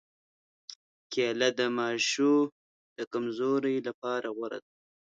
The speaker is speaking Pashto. کېله د ماشو د کمزورۍ لپاره غوره ده.